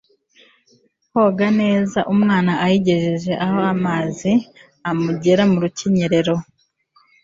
koga neza. umwana ayigejeje aho amazi amugera mu rukenyerero